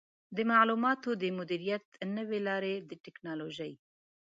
د معلوماتو د مدیریت نوې لارې د ټکنالوژۍ